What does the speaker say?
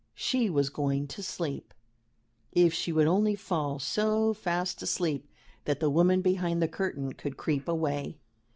She was going to sleep. If she would only fall so fast asleep that the woman behind the curtain could creep away!